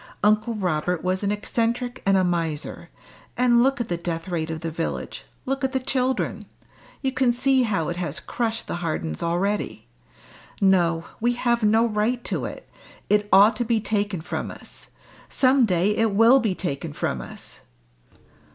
Uncle Robert was an eccentric and a miser; and look at the death rate of the village look at the children; you can see how it has crushed the Hardens already. No, we have no right to it! it ought to be taken from us; some day it will be taken from us!"